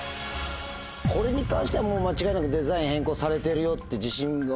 これに関してはもう間違いなくデザイン変更されてるよって。